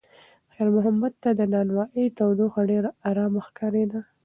خیر محمد ته د نانوایۍ تودوخه ډېره ارامه ښکارېده.